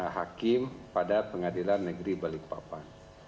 hakim pada pengadilan negeri balikpapan